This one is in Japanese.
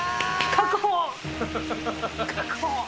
確保！